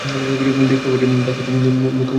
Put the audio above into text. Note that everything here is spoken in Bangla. দেখতেও বাজে, দাঁত উঁচু, মুখে বসন্তের দাগ।